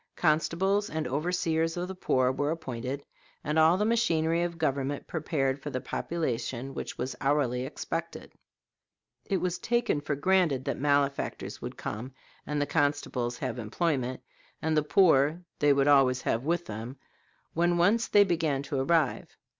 Constables and overseers of the poor were appointed, and all the machinery of government prepared for the population which was hourly expected. It was taken for granted that malefactors would come and the constables have employment; and the poor they would have always with them, when once they began to arrive.